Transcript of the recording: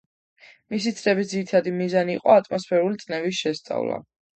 მისი ცდების ძირითადი მიზანი იყო ატმოსფერული წნევის შესწავლა.